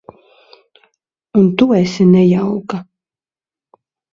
Un tu esi nejauka.